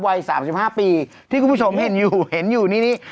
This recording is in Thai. วัย๓๕ปีที่คุณผู้ชมเห็นอยู่เห็นอยู่นี่นี่